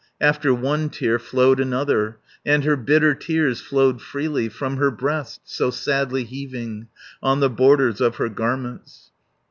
After one tear flowed another, And her bitter tears flowed freely From her breast, so sadly heaving, On the borders of her garments.